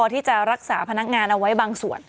ที่จะรักษาพนักงานเอาไว้บางส่วน